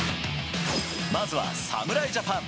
まずは侍ジャパン。